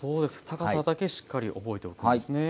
高さだけしっかり覚えておくんですね。